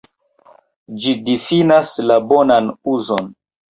Ĝi difinas la "bonan uzon".